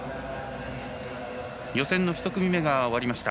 予選の１組目が終わりました。